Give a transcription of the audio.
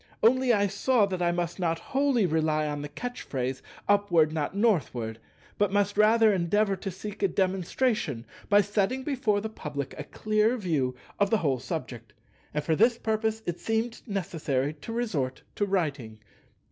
Only I saw that I must not wholly rely on the catch phrase, "Upward, not Northward," but must rather endeavour to seek a demonstration by setting before the public a clear view of the whole subject; and for this purpose it seemed necessary to resort to writing.